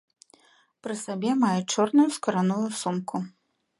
Пры сабе мае чорную скураную сумку.